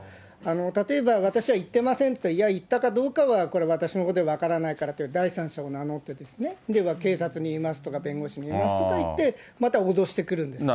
例えば、私は言っていませんっていうと、いや、言ったかどうかはこれ、私のほうで分からないからと言って、第三者を名乗ってですね、要は警察に言いますとか、弁護士に言いますとか言って、また脅してくるんですね。